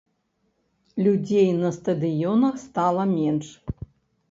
Людзей на стадыёнах стала менш.